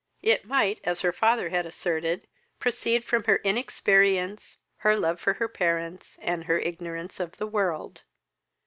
It might, as her father had asserted, proceed from her inexperience, her love for her parents, and her ignorance of the world.